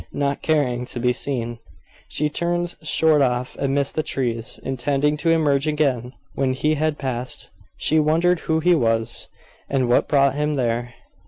Not caring to be seen, she turned short off amidst the trees, intending to emerge again when he had passed. She wondered who he was, and what brought him there.